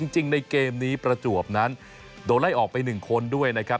จริงในเกมนี้ประจวบนั้นโดนไล่ออกไป๑คนด้วยนะครับ